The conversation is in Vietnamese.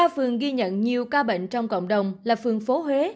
ba phường ghi nhận nhiều ca bệnh trong cộng đồng là phường phố huế